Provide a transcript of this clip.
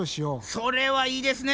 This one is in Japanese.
それはいいですね。